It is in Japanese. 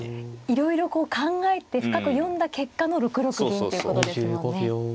いろいろこう考えて深く読んだ結果の６六銀ということですもんね。